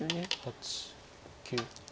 ８９。